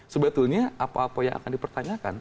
sebetulnya apa apa yang akan dipertanyakan